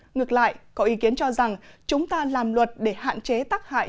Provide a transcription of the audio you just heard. ngược lại có ý kiến cho rằng chúng ta làm luật để hạn chế tắc hại